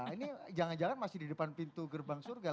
ini jangan jangan masih di depan pintu gerbang surga